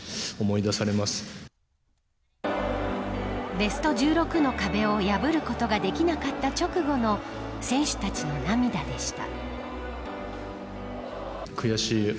ベスト１６の壁を破ることができなかった直後の選手たちの涙でした。